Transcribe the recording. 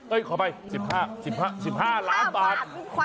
เอ้ยขอไป๑๕ล้านบาท